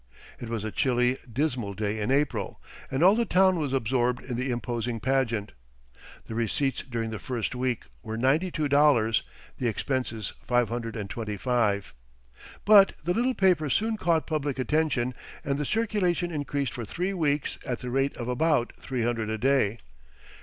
It was a chilly, dismal day in April, and all the town was absorbed in the imposing pageant. The receipts during the first week were ninety two dollars; the expenses five hundred and twenty five. But the little paper soon caught public attention, and the circulation increased for three weeks at the rate of about three hundred a day.